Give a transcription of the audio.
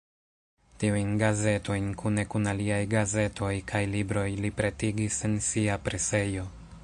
Tiujn gazetojn kune kun aliaj gazetoj kaj libroj li pretigis en sia presejo.